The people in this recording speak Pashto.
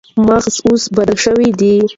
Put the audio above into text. مغز اوس بدل شوی دی.